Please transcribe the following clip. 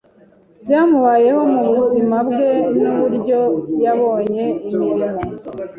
byamubayeho mu buzima bwe, n’uburyo yabonye imirimo